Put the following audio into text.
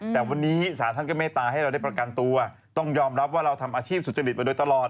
แต่วันนี้ศาลท่านก็เมตตาให้เราได้ประกันตัวต้องยอมรับว่าเราทำอาชีพสุจริตมาโดยตลอด